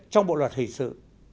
trong bộ luật hình sự